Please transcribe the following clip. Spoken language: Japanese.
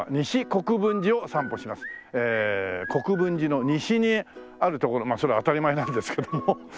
国分寺の西にある所まあそれは当たり前なんですけども。